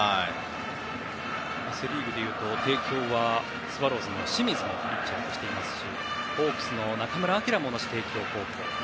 セ・リーグでいうと帝京はスワローズの清水もピッチャーとしていますしホークスの中村晃も同じ帝京高校。